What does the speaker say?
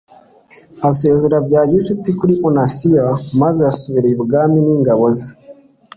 asezera bya gicuti kuri oniyasi maze asubira ibwami n'ingabo ze